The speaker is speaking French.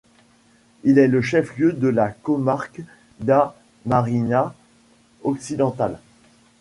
Elle est le chef lieu de la comarque d'A Mariña Occidental.